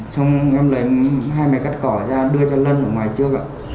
xong em lấy hai mẹ cắt cỏ ra đưa cho lân ở ngoài trước ạ